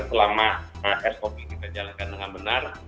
selama sop kita jalankan dengan benar